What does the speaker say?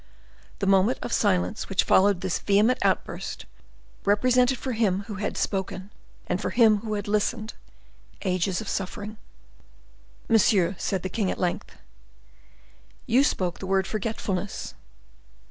The moment of silence which followed this vehement outbreak represented for him who had spoken, and for him who had listened, ages of suffering. "Monsieur," said the king at length, "you spoke the word forgetfulness.